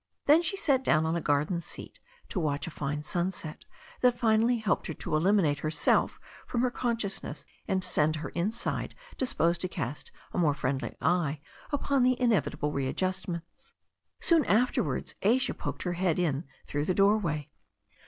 Then she sat down on a garden seat to watch a fine sunset that finally helped her to eliminate herself from her consciousness and sent her inside disposed to cast a more friendly eye upon the inevitable readjustments. Soon afterwards Asia poked her head in through the doorway.